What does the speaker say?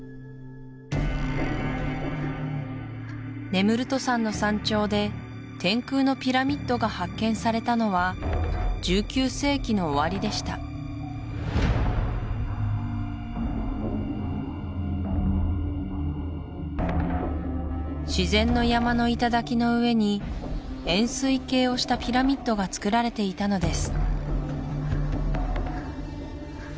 ネムルト山の山頂で天空のピラミッドが発見されたのは１９世紀の終わりでした自然の山の頂の上に円錐形をしたピラミッドがつくられていたのです